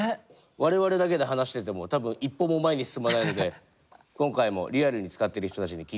我々だけで話してても多分一歩も前に進まないので今回もリアルに使ってる人たちに聞いてみましょう。